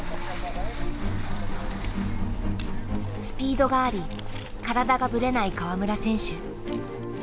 スピードがあり体がぶれない川村選手。